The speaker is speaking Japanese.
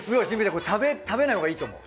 これ食べないほうがいいと思う。